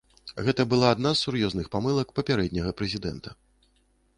Гэта была адна з сур'ёзных памылак папярэдняга прэзідэнта.